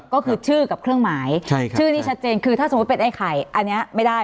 ก็คือชื่อกับเครื่องหมายชื่อนี้ชัดเจนคือถ้าสมมุติเป็นไอ้ไข่อันนี้ไม่ได้